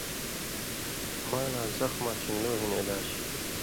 مالاں زخماں شن٘گلو ہِن علاج